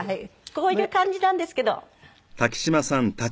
こういう感じなんですけど。